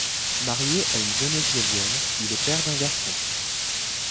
Marié à une vénezuelienne, il est père d'un garçon.